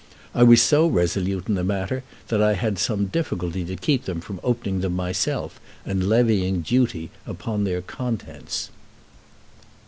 I was so resolute in the matter that I had some difficulty to keep from opening them myself and levying duty upon their contents.